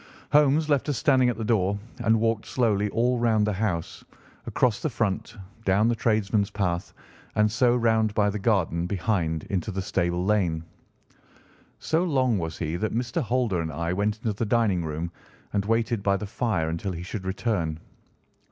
Holmes left us standing at the door and walked slowly all round the house, across the front, down the tradesmen's path, and so round by the garden behind into the stable lane. So long was he that Mr. Holder and I went into the dining room and waited by the fire until he should return.